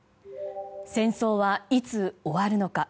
戦争はいつ終わるのか。